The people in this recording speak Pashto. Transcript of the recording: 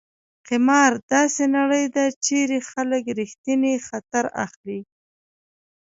قمار: داسې نړۍ ده چېرې خلک ریښتینی خطر اخلي.